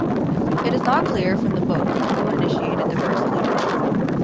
It is not clear from the book who initiated the first Luden.